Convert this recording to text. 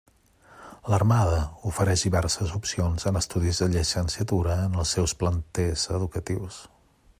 L'Armada ofereix diverses opcions en estudis de llicenciatura en els seus planters educatius.